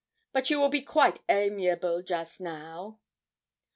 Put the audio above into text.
but you will be quite amiable just now.'